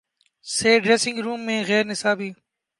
سے dressing room میں غیر نصابی